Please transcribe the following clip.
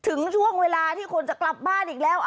ถึงช่วงเวลาที่คนจะกลับบ้านอีกแล้ว